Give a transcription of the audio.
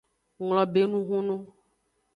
Nglobe enu hunu.